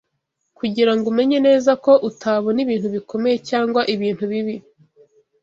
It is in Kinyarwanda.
kugirango umenye neza ko utabona ibintu bikomeye cyangwa ibintu bibi